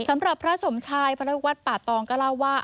สำหรับพระสมชายพระลูกวัดป่าตองก็เล่าว่า